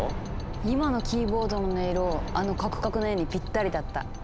今のキーボードの音色あのカクカクの絵にピッタリだった。